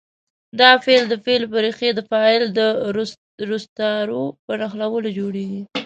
دا فعل د فعل په ریښې د فاعل د روستارو په نښلولو جوړیږي.